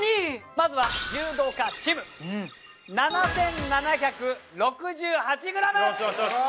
まずは柔道家チーム７，７６８ｇ！